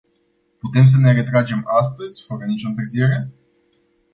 Putem sa ne retragem astăzi, fără nicio întârziere?